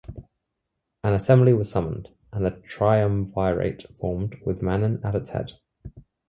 An assembly was summoned, and a triumvirate formed with Manin at its head.